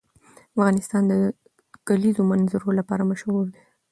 افغانستان د د کلیزو منظره لپاره مشهور دی.